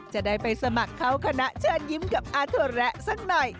จะได้ไปสมัครเข้าคณะเชิญยิ้มกับอาถวระสักหน่อย